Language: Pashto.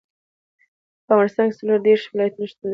په افغانستان کې څلور دېرش ولایتونه شتون لري.